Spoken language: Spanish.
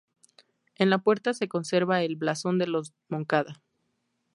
En la puerta se conserva el blasón de los Moncada.